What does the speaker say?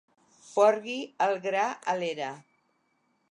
Porgui el gra a l'era.